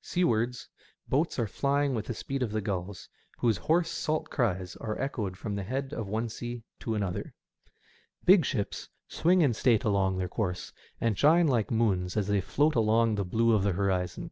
Seawards, boats are flying with the speed of the gulls, whose hoarse salt cries are echoed from the head of one sea to another. Big ships SEASIDE EFFECTS. 218 swing in state along their course, and shine like moons as they float along the blue of the horizon.